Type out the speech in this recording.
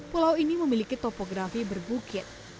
pulau ini memiliki topografi berbukit